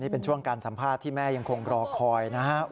เป็นช่วงการสัมภาษณ์ที่แม่ยังคงรอคอยนะครับ